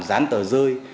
gián tờ rơi